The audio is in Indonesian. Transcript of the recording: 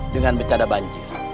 dengan betada banjir